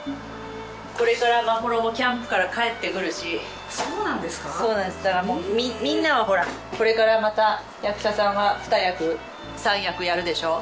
これから眞秀もキャンプから帰ってくるしそうなんですかそうなんですだからもうみんなはほらこれからまた役者さんは二役三役やるでしょ